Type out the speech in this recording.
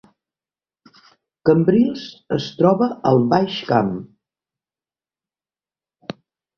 Cambrils es troba al Baix Camp